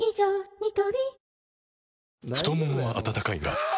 ニトリ太ももは温かいがあ！